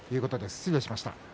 失礼しました。